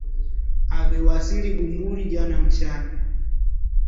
Amewasili Bamburi jana mchana.